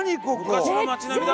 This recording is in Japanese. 昔の町並みだ！